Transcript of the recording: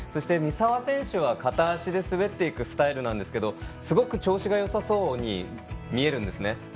三澤選手は片足で滑っていくスタイルなんですけどすごく調子がよさそうに見えるんですね。